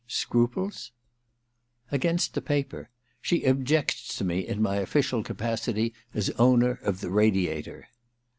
* Scruples ?'* Against the paper. She objects to me in my official capacity as owner of the Radiator.